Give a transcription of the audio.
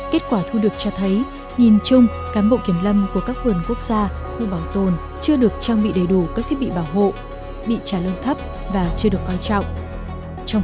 kết quả thu được cho thấy nhìn chung cán bộ kiểm lâm của các vườn quốc gia khu bảo tồn chưa được trang bị đầy đủ các thiết bị bảo hộ bị trả lương thấp và chưa được coi trọng